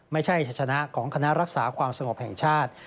ไม่ใช่ชนะของคณะรักษาความสงบแห่งชาติ